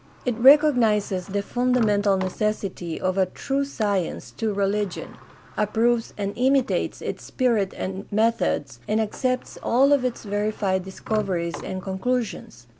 It recognizes the fundamental necessity of a true science to religion, approves and imitates its spirit and methods, and accepts all of its verified discoveries and conclusions.